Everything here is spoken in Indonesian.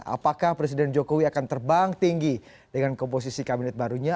apakah presiden jokowi akan terbang tinggi dengan komposisi kabinet barunya